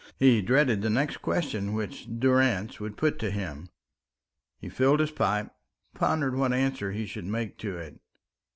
He dreaded the next question which Durrance would put to him. He filled his pipe, pondering what answer he should make to it.